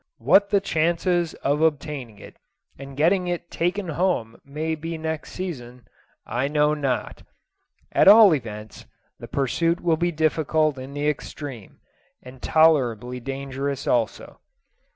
What the chances of obtaining it and getting it taken home may be next season, I know not. At all events, the pursuit will be difficult in the extreme, and tolerably dangerous also.